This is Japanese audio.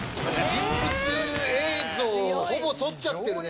人物映像ほぼ取っちゃってるね。